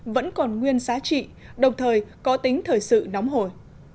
vẫn còn nguyên giá trị đồng thời có tính thời sự nóng hồi